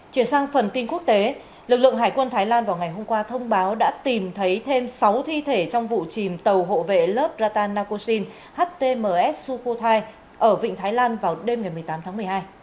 chuyển sang phần tin quốc tế lực lượng hải quân thái lan vào ngày hôm qua thông báo đã tìm thấy thêm sáu thi thể trong vụ chìm tàu hộ vệ lớp ratanakosin htmsukuti ở vịnh thái lan vào đêm ngày một mươi tám tháng một mươi hai